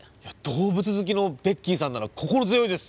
動物好きのベッキーさんなら心強いです。